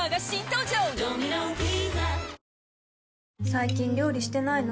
最近料理してないの？